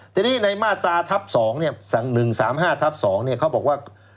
ทีนี้ในมาตราทัพ๒เนี่ย๑๓๕ทัพ๒เนี่ยเขาบอกว่า